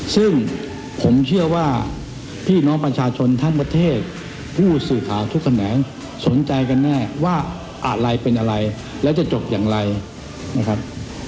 ซึ่งผมเชื่อว่าพี่น้องประชาชนทั้งประเทศผู้สื่อข่าวทุกแขนงสนใจกันแน่ว่าอะไรเป็นอะไรแล้วจะจบอย่างไรนะครับ